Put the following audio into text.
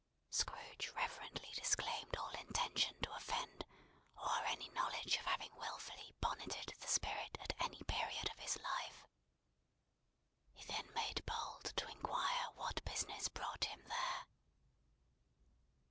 Scrooge reverently disclaimed all intention to offend or any knowledge of having wilfully "bonneted" the Spirit at any period of his life. He then made bold to inquire what business brought him there.